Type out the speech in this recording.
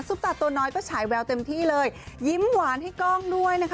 ตาตัวน้อยก็ฉายแววเต็มที่เลยยิ้มหวานให้กล้องด้วยนะคะ